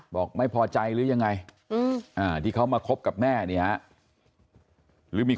บอกไม่พอใจหรือยังไงที่เขามาคบกับแม่เนี่ยหรือมี